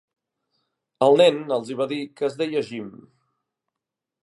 El nen els hi va dir que es deia Jim.